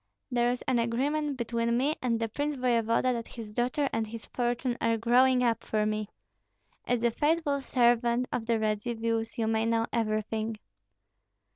"There is an agreement between me and the prince voevoda that his daughter and his fortune are growing up for me. As a faithful servant of the Radzivills, you may know everything."